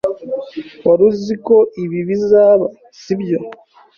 Wari uziko ibi bizaba, sibyo?